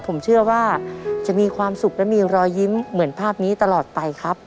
ผมเชื่อว่าจะมีความสุขและมีรอยยิ้มเหมือนภาพนี้ตลอดไปครับ